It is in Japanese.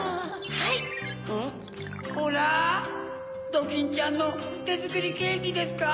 ドキンちゃんのてづくりケーキですか？